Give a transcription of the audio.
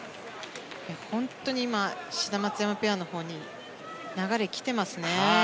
本当に今志田・松山ペアのほうに流れが来てますね。